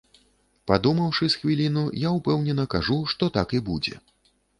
Падумаўшы з хвіліну, я ўпэўнена кажу, што так і будзе.